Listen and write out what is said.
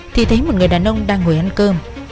thì thấy một người đàn ông đang ngồi ăn cơm